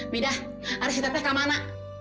mida ada si teteh kamana